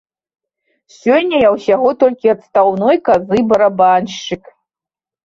Сёння я ўсяго толькі адстаўной казы барабаншчык.